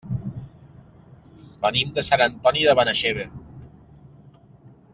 Venim de Sant Antoni de Benaixeve.